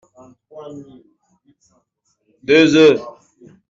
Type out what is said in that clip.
deux oeufs